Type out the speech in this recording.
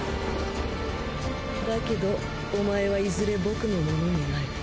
だけどお前はいずれ僕のものになる。